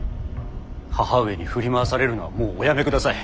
義母上に振り回されるのはもうおやめください。